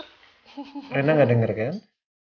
rena gak denger kan